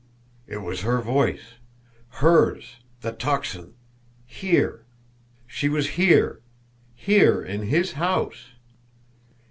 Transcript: It was her voice! HERS! The Tocsin! HERE! She was here here in his house!